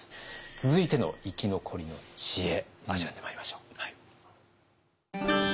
続いての生き残りの知恵味わってまいりましょう。